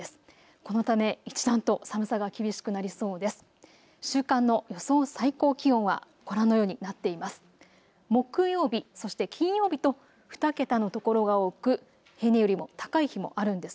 このため一段と寒さが厳しくなりそうです。